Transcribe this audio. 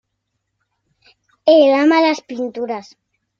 Él ama las pinturas".